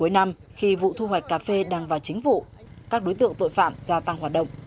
cuối năm khi vụ thu hoạch cà phê đang vào chính vụ các đối tượng tội phạm gia tăng hoạt động